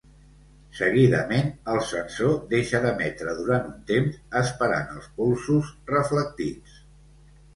Seguidament el sensor deixa d'emetre durant un temps, esperant els polsos reflectits.